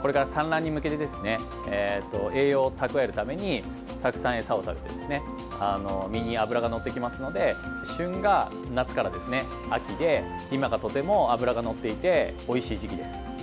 これから産卵に向けて栄養を蓄えるためにたくさん餌を食べて身に脂がのってきますので旬が夏から秋で今がとても脂がのっていておいしい時期です。